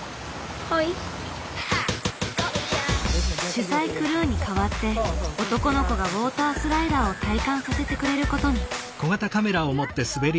取材クルーに代わって男の子がウォータースライダーを体感させてくれることに。